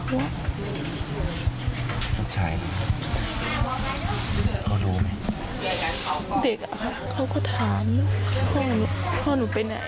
เด็กอะค่ะเขาก็ถามพ่อหนูไปไหน